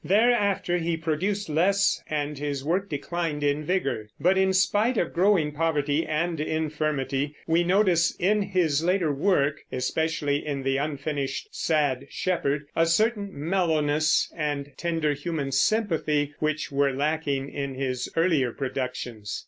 Thereafter he produced less, and his work declined in vigor; but spite of growing poverty and infirmity we notice in his later work, especially in the unfinished Sad Shepherd, a certain mellowness and tender human sympathy which were lacking in his earlier productions.